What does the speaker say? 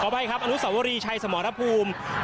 อภัยครับอนุสวรีชัยสมรภูมิ